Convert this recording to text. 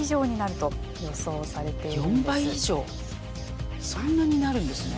４倍以上そんなになるんですね。